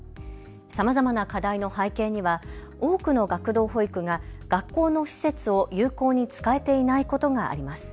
さまざまな課題の背景には多くの学童保育が学校の施設を有効に使えていないことがあります。